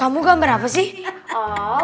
kamu gambar apa sih